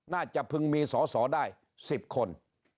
น่าจะพึงมีสอได้๑๐คน